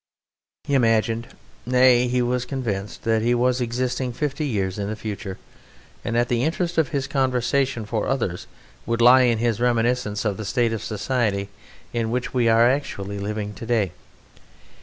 He imagined, nay he was convinced, that he was existing fifty years in the future, and that the interest of his conversation for others would lie in his reminiscence of the state of society in which we are actually living today.